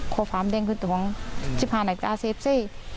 ค่าฟาร์มเดินขึ้นตรงที่ผ่านแบบการเซฟซี่